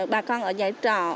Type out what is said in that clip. bà con ở giải trò